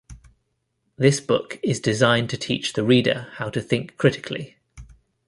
This book is designed to teach the reader how to think critically.